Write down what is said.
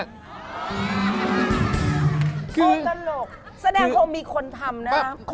โกตลกแสดงคงมีคนทำนะครับ